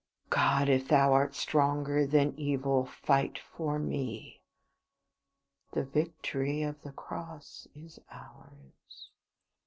God, if Thou art stronger than evil, fight for me. "The victory of the Cross is ours."